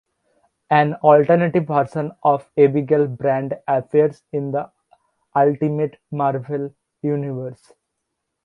An alternate version of Abigail Brand appears in the Ultimate Marvel universe.